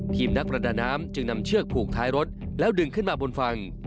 นักประดาน้ำจึงนำเชือกผูกท้ายรถแล้วดึงขึ้นมาบนฝั่ง